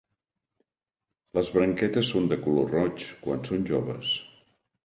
Les branquetes són de color roig quan són joves.